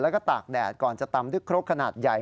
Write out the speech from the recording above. แล้วก็ตากแดดก่อนจะตำด้วยครกขนาดใหญ่